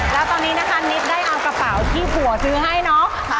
แล้วตอนนี้นะคะนิดได้เอากระเป๋าที่ผัวซื้อให้เนาะ